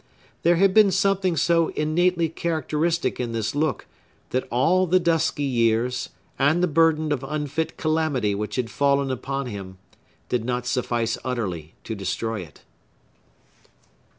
There had been something so innately characteristic in this look, that all the dusky years, and the burden of unfit calamity which had fallen upon him, did not suffice utterly to destroy it.